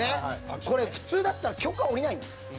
これ普通だったら許可下りないんですよ。